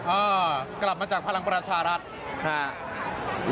อ้าวกลับมาจากพลังประชารักษณ์